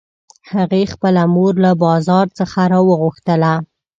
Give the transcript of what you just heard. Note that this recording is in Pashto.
هغې خپله مور له بازار څخه راوغوښتله